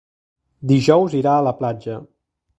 Dijous irà a la platja.